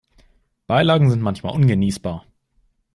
Beilagen sind manchmal ungenießbar.